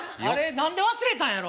何で忘れたんやろ。